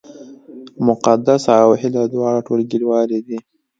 مقدسه او هیله دواړه ټولګیوالې دي